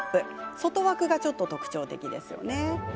外枠が、ちょっと特徴的ですよね。